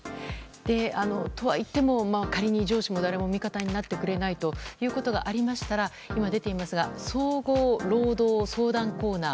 とはいっても、仮に上司も誰も味方になってくれないということがありましたら今、出ていますが総合労働相談コーナー